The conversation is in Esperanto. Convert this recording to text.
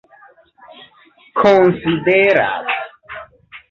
konsideras